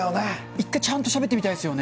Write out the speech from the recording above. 一回、ちゃんとしゃべってみたいですよね。